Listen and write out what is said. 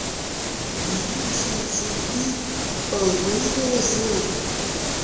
En un cert sentit, el rei de la selva.